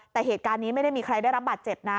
แต่เหตุการณ์นี้ไม่ได้มีใครได้รับบาดเจ็บนะ